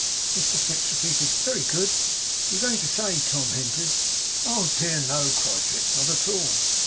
Mr Fips repeated: 'Very good.' 'You were going to say' Tom hinted. 'Oh dear no!' cried Fips. 'Not at all.